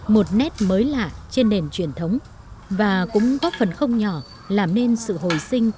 một nét mới lạ trên nền truyền thống và cũng góp phần không nhỏ làm nên sự hồi sinh